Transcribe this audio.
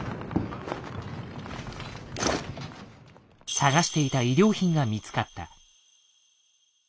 探していた医療品が見つかった。